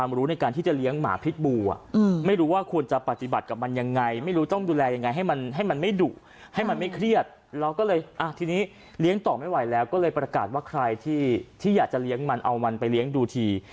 มันไม่ดุให้มันไม่เครียดเราก็เลยอ่ะทีนี้เลี้ยงต่อไม่ไหวแล้วก็เลยประกาศว่าใครที่อยากจะเลี้ยงมันเอามันไปเลี้ยงดูที